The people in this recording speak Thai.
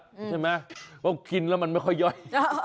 ใช่ไหมเพราะกินแล้วมันไม่ค่อยย่อย